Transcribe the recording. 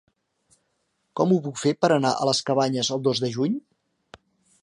Com ho puc fer per anar a les Cabanyes el dos de juny?